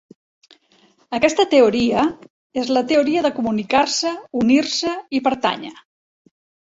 Aquesta teoria és la Teoria de Comunicar-se, Unir-se i Pertànyer.